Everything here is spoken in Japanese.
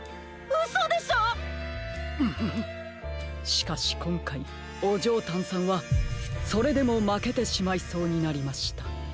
しかしこんかいオジョータンさんはそれでもまけてしまいそうになりました。